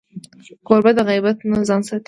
کوربه د غیبت نه ځان ساتي.